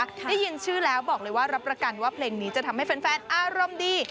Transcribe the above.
ได้ยินชื่อแล้วบอกเลยว่ารับประกันว่าเพลงนี้จะทำให้แฟนอารมณ์ดี